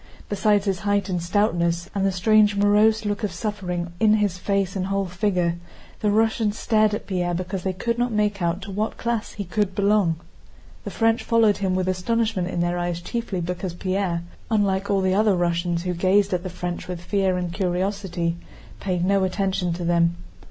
Besides his height and stoutness, and the strange morose look of suffering in his face and whole figure, the Russians stared at Pierre because they could not make out to what class he could belong. The French followed him with astonishment in their eyes chiefly because Pierre, unlike all the other Russians who gazed at the French with fear and curiosity, paid no attention to them.